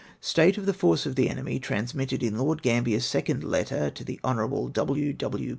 State of the Force of the Enemy, transmitted in Lord Ctambier's second Letter to the Hon. W. W.